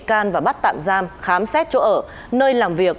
cơ quan an ninh điều tra bộ công an bắt tạm giam khám xét chỗ ở nơi làm việc